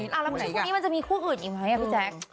แล้วเหมือนคู่นี้มันจะมีคู่อื่นอีกไหมพี่แจ๊ค